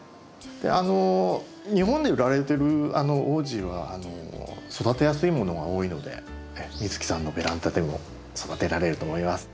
あの日本で売られてるオージーは育てやすいものが多いので美月さんのベランダでも育てられると思います。